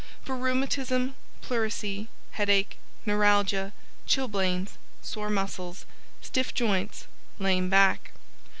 FOR Rheumatism, Pleurisy, Headache, Neuralgia, Chilblains, Sore Muscles, Stiff Joints, Lame Back.